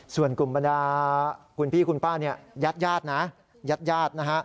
ส่วนกลุ่มประดาษคุณพี่คุณป้ายาดนะ